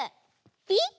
ピッ！